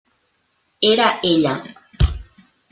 Era ella.